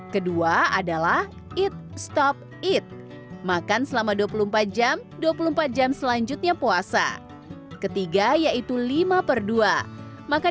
kedua adalah eat stop eat makan selama dua puluh empat jam dua puluh empat jam selanjutnya puasa ketiga yaitu lima per dua makan